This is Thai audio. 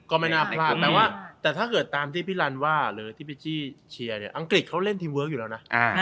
ก็ไม่น่าพลาดแต่ว่าแต่ถ้าเกิดตามที่พี่ลันว่าหรือที่พี่จี้เชียร์เนี่ยอังกฤษเขาเล่นทีมเวิร์คอยู่แล้วนะ